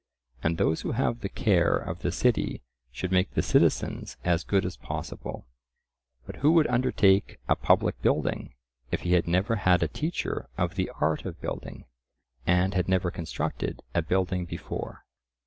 And those who have the care of the city should make the citizens as good as possible. But who would undertake a public building, if he had never had a teacher of the art of building, and had never constructed a building before?